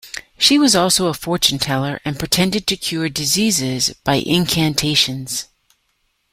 She was also a fortune-teller and pretended to cure diseases by incantations.